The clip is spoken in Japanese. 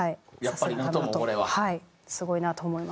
すごいなと思います。